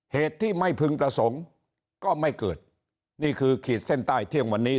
เหตุที่ไม่พึงประสงค์ก็ไม่เกิดนี่คือขีดเส้นใต้เที่ยงวันนี้